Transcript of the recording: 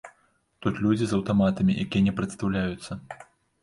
Тут людзі з аўтаматамі, якія не прадстаўляюцца.